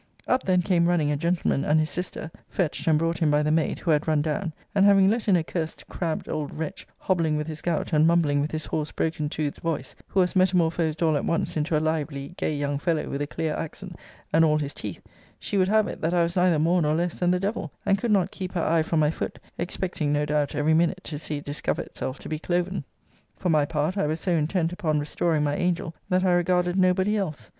Up then came running a gentleman and his sister, fetched, and brought in by the maid, who had run down, and having let in a cursed crabbed old wretch, hobbling with his gout, and mumbling with his hoarse broken toothed voice, who was metamorphosed all at once into a lively, gay young fellow, with a clear accent, and all his teeth, she would have it, that I was neither more nor less than the devil, and could not keep her eye from my foot, expecting, no doubt, every minute to see it discover itself to be cloven. For my part, I was so intent upon restoring my angel, that I regarded nobody else.